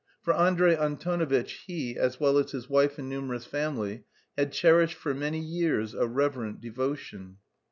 For Andrey Antonovitch he, as well as his wife and numerous family, had cherished for many years a reverent devotion.